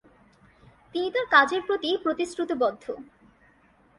তিনি তার কাজের প্রতি প্রতিশ্রুতিবদ্ধ।